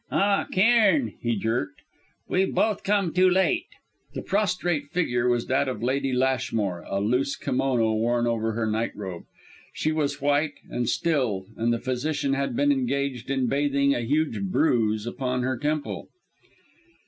"Ah, Cairn!" he jerked. "We've both come too late." The prostrate figure was that of Lady Lashmore, a loose kimono worn over her night robe. She was white and still and the physician had been engaged in bathing a huge bruise upon her temple.